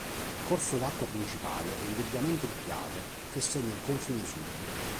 Corso d'acqua principale è indubbiamente il Piave che segna il confine sud.